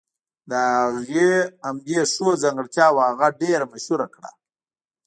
د هغې همدې ښو ځانګرتياوو هغه ډېره مشهوره کړه.